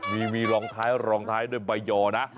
ดูมีรองท้ายด้วยใบหย่อนะ